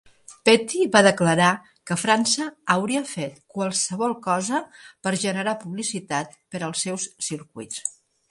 Petty va declarar que França hauria fet qualsevol cosa per generar publicitat per als seus circuits.